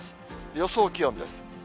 予想気温です。